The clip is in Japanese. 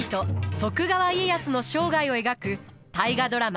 徳川家康の生涯を描く大河ドラマ